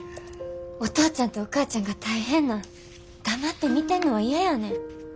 お父ちゃんとお母ちゃんが大変なん黙って見てんのは嫌やねん。